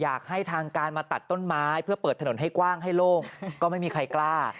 อยากให้ทางการมาตัดต้นไม้เพื่อเปิดถนนให้กว้างให้โล่งก็ไม่มีใครกล้า